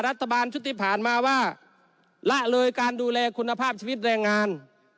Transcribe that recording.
รัฐบาลชุดที่ผ่านมาว่าละเลยการดูแลคุณภาพชีวิตแรงงาน